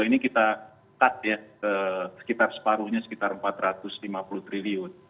dua ribu dua puluh dua ini kita cut ya sekitar separuhnya sekitar empat ratus lima puluh triliun